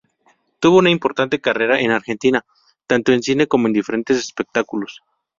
Tuvo una importante carrera en Argentina tanto en cine como en diferentes espectáculos.